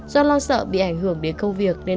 do lo sợ bị ảnh hưởng đến công việc